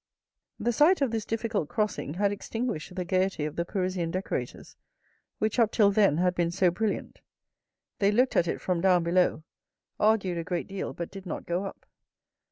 The sight of this difficult crossing had extinguished the gaiety of the Parisian decorators, which up till then had been so brilliant. They looked at it from down below, argued a great deal, but did not go up.